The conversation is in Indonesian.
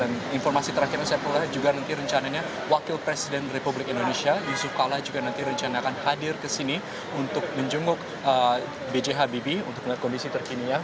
dan informasi terakhir yang saya peroleh juga nanti rencananya wakil presiden ri yusuf kala juga nanti rencana akan hadir ke sini untuk menjenguk bghb untuk melihat kondisi terkini